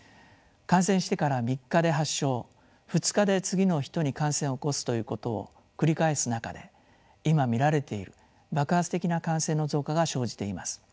感染してから３日で発症２日で次の人に感染を起こすということを繰り返す中で今見られている爆発的な感染の増加が生じています。